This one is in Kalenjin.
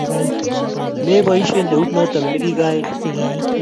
Meboishen eut noto nigigaiil